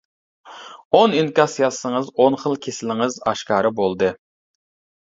ئون ئىنكاس يازسىڭىز ئون خىل كېسىلىڭىز ئاشكارا بولدى.